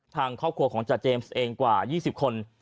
ทางครอบครัวของจาเจมส์เองกว่า๒๐คน